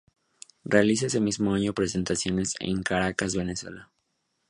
Realiza ese mismo año presentaciones en Caracas, Venezuela.